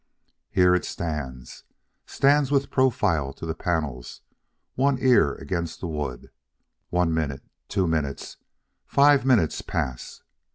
Here it stands stands with profile to the panels, one ear against the wood. One minute two minutes five minutes pass.